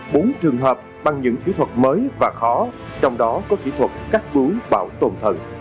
trong bốn trường hợp bằng những kỹ thuật mới và khó trong đó có kỹ thuật cắt bú bảo tồn thần